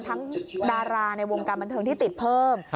ดาราในวงการบันเทิงที่ติดเพิ่ม